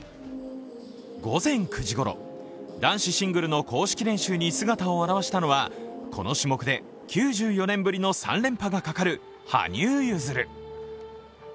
午前９時ごろ、男子シングルの公式練習に姿を現したのはこの種目で９４年ぶりの３連覇がかかる羽生結弦。